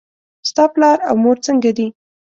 ستا پلار او مور څنګه دي؟